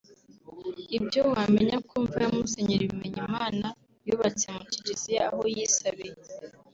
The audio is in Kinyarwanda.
Ibyo wamenya ku mva ya Musenyeri Bimenyimana yubatse mu Kiliziya aho yisabiye